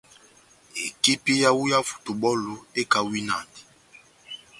Ekipi yawu yá futubɔlu ekawinandi.